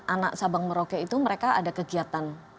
anak sabang merauke itu mereka ada kegiatan